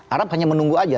arab hanya menunggu aja